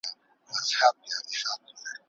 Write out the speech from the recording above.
له فرهنګه د خوشحال وي چي هم توره وي هم ډال وي